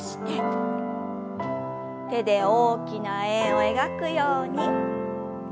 手で大きな円を描くように。